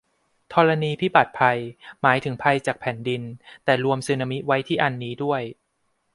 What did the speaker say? ธรณีพิบัติภัย หมายถึงภัยจากแผ่นดิน แต่รวมสึนามิไว้ที่อันนี้ด้วย